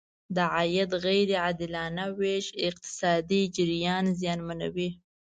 د عاید غیر عادلانه ویش اقتصادي جریان زیانمنوي.